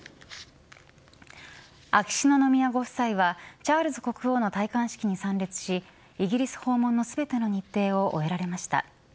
秋篠宮ご夫妻はチャールズ国王の戴冠式に参列しイギリス訪問の全ての日程を終えられました。